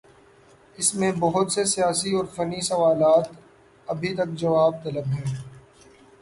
اس میں بہت سے سیاسی اور فنی سوالات ابھی تک جواب طلب ہیں۔